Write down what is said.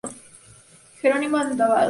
Jerónimo Abadal.